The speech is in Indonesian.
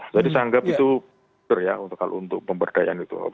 jadi saya anggap itu untuk pemberdayaan itu